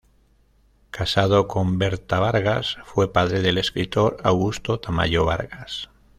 Casado con Berta Vargas, fue padre del escritor Augusto Tamayo Vargas.